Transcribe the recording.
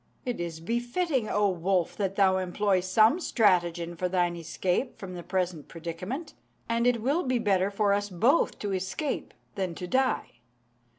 It is befitting, O wolf, that thou employ some stratagem for thine escape from the present predicament; and it will be better for us both to escape than to die.